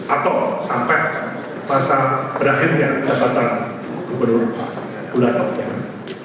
atau sampai pasal berakhirnya jabatan gubernur bulan oktober